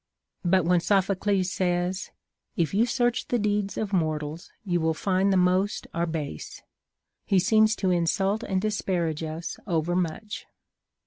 But when Sophocles says. If you search the deeds of mortals, you Λνϋΐ find the most are base, he seems to insult and disparage us over much.